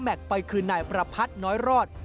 ขณะเอาล้อแมกไปคืนนายประพัชน์น้อยรอด